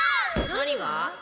何が？